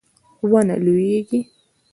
ونه لویږي